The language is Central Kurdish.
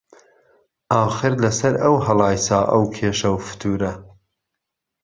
ئاخر له سهر ئهو ههڵاییسا ئهو کێشه و فتوره